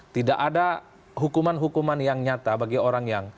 tidak ada hukuman hukuman yang nyata bagi orang yang